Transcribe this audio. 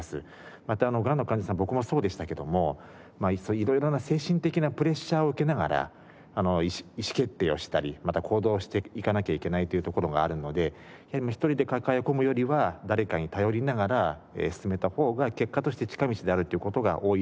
またがんの患者さん僕もそうでしたけども色々な精神的なプレッシャーを受けながら意思決定をしたりまた行動していかなきゃいけないというところがあるので一人で抱え込むよりは誰かに頼りながら進めた方が結果として近道であるっていう事が多いように思います。